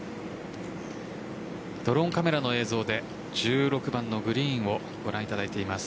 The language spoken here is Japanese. ドローンカメラの映像で１６番のグリーンをご覧いただいています。